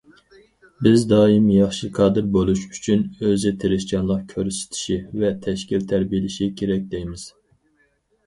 بىز دائىم: ياخشى كادىر بولۇش ئۈچۈن ئۆزى تىرىشچانلىق كۆرسىتىشى ۋە تەشكىل تەربىيەلىشى كېرەك، دەيمىز.